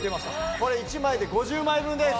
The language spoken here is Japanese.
これ１枚で５０枚分です。